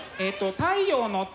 「太陽の塔」。